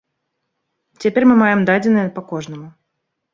Цяпер мы маем дадзеныя па кожнаму.